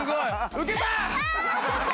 ウケた。